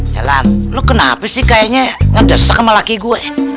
ya lam lu kenapa sih kayaknya ngedesek sama laki gua